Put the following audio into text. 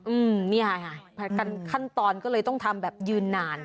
อืมนี่ค่ะกันขั้นตอนก็เลยต้องทำแบบยืนนาน